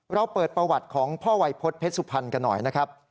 เราเปิดประวัติของพ่อวัยพฤษเพชรสุพรรณกันหน่อยนะครับ